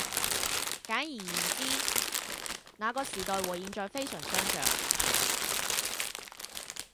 簡而言之，那個時代和現在非常相像